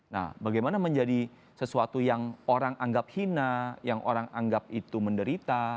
nah bagaimana menjadi sesuatu yang orang anggap hina yang orang anggap itu menderita